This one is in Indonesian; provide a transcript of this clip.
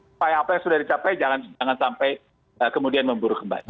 supaya apa yang sudah dicapai jangan sampai kemudian memburuk kembali